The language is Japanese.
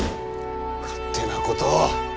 勝手なことを！